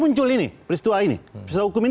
muncul ini peristua ini peristua hukum ini